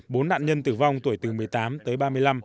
bốn nạn nhân tử vong tuổi từ một mươi tám tới ba mươi năm